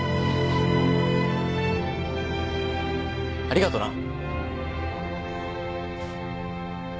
ありがとな。